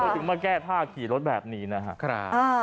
ถึงมาแก้ผ้าขี่รถแบบนี้นะครับ